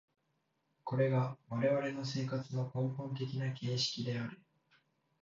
これが我々の生活の根本的な形式である。